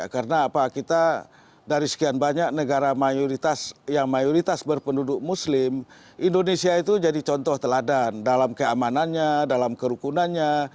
karena kita dari sekian banyak negara yang mayoritas berpenduduk muslim indonesia itu jadi contoh teladan dalam keamanannya dalam kerukunannya